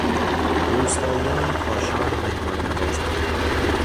روستائیان کاشان مهمان نوازند.